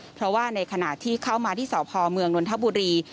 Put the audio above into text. เพราะว่าในขณะที่เข้ามาที่สพเมืองนนทบุรี